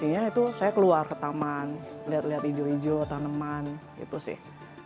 intinya itu saya keluar ke taman lihat lihat hijau hijau tanaman itu sih